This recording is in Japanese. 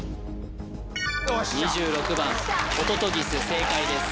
２６番ホトトギス正解です